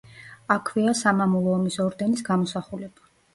აქვეა სამამულო ომის ორდენის გამოსახულება.